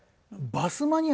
バスマニア。